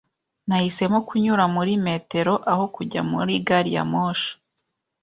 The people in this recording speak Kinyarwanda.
Nahisemo kunyura muri metero, aho kujya muri gari ya moshi.